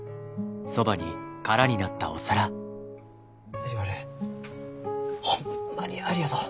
藤丸ホンマにありがとう。